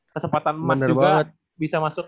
kesempatan emas juga bisa masuk